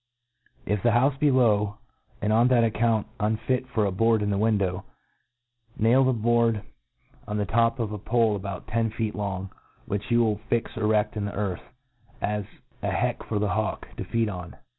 If the houfe ht low, and on tfiat account unfit for a board in the \ndndow, nail the board MODERN FAULCONRY. 1(^3 board on the top of a pole about ten feet long, which you will fix crefl: in the earth, as a Jbeck for the hawk to feed on